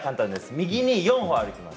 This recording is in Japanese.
右に２歩歩きます。